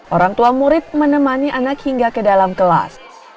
orang tua murid menemani anak hingga ke dalam kelas